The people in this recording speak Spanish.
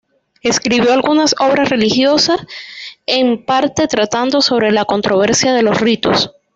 Escribió algunas obras religiosas, en parte tratando sobre la controversia de los ritos.